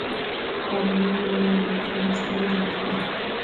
پابندي غرونه د افغانستان د اجتماعي جوړښت برخه ده.